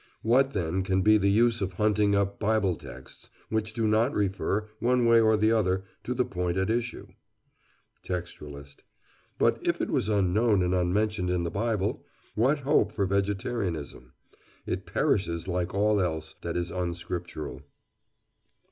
What, then, can be the use of hunting up Bible texts which do not refer, one way or the other, to the point at issue? TEXTUALIST: But if it was unknown and unmentioned in the Bible, what hope for vegetarianism? It perishes like all else that is unscriptural.